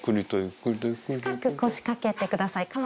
深く腰掛けてください。